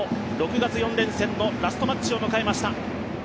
６月４連戦のラストマッチを迎えました。